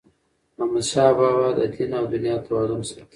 احمدشاه بابا به د دین او دنیا توازن ساته.